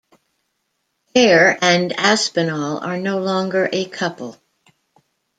Air and Aspinall are no longer a couple.